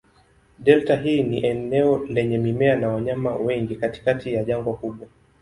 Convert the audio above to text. Delta hii ni eneo lenye mimea na wanyama wengi katikati ya jangwa kubwa.